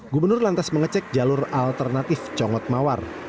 gubernur lantas mengecek jalur alternatif congot mawar